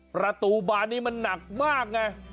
ประตูบานนี้มันหนักมากไง